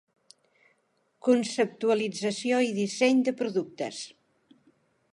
Conceptualització i disseny de productes.